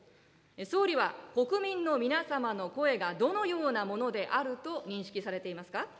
総理は、国民の皆様の声がどのようなものであると認識されていますか。